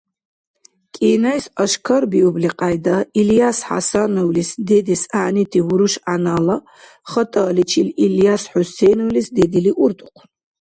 КӀинайс ашкарбиубли кьяйда, Ильяс ХӀясановлис дедес гӀягӀнити буруш-гӀянала хатӀаличил Ильяс ХӀусейновлис дедили урдухъун.